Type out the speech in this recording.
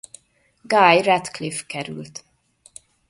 Guy Radcliffe került.